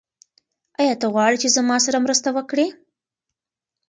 آیا ته غواړې چې زما سره مرسته وکړې؟